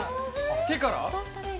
手から？